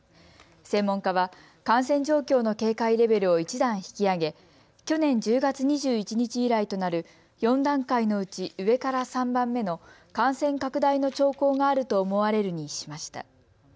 専門家は感染状況の警戒レベルを一段引き上げ、去年１０月２１日以来となる４段階のうち上から３番目の感染拡大の兆候があると思われるにしました。